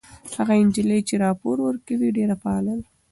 هغه نجلۍ چې راپور ورکوي ډېره فعاله ده.